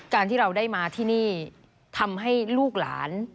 การที่เราได้มาที่นี่ทำให้ลูกหลาน